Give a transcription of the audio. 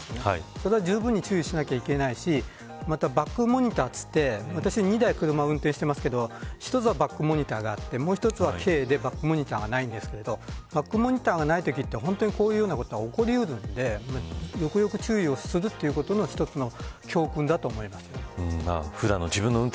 それはじゅうぶんに注意しなければいけないしまたバックモニターといって私は２台車を運転していますが１つはバックモニターがあってもう一つは軽でバックモニターはありませんがバックモニターがないときはこういうことが起こり得るのでよくよく注意をするということが１つの教訓だと思います。